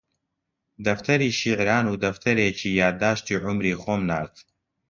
دەفتەری شیعران و دەفتەرێکی یادداشتی عومری خۆم نارد